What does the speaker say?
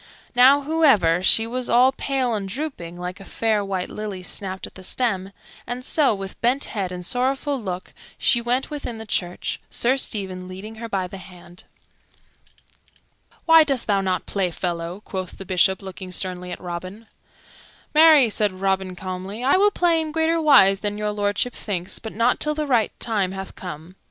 Now, however, she was all pale and drooping, like a fair white lily snapped at the stem; and so, with bent head and sorrowful look, she went within the church, Sir Stephen leading her by the hand. "Why dost thou not play, fellow?" quoth the Bishop, looking sternly at Robin. "Marry," said Robin calmly, "I will play in greater wise than Your Lordship thinks, but not till the right time hath come."